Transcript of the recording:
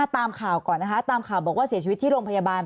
ตามข่าวก่อนนะคะตามข่าวบอกว่าเสียชีวิตที่โรงพยาบาล